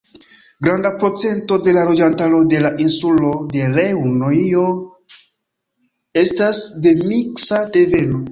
Granda procento de la loĝantaro de la insulo de Reunio estas de miksa deveno.